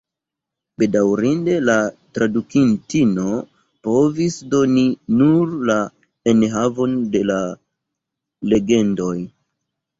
Bedaŭrinde, la tradukintino povis doni nur la enhavon de la legendoj.